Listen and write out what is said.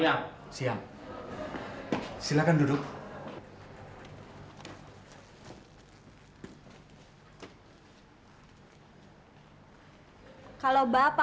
dalam sehari aja